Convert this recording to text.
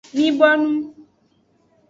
Mi bonu.